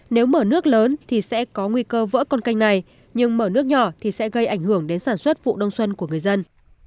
nếu mở nước lớn thì sẽ có nguy cơ vỡ con canh này nhưng mở nước nhỏ thì sẽ gây ảnh hưởng đến sản xuất vụ đông xuân của người dân